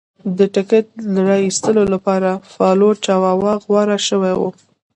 د ټکټ را ایستلو لپاره فالوټ چاواوا غوره شوی و.